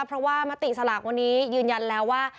เพราะว่ามติสลากวันนี้ยืนยันแล้วว่า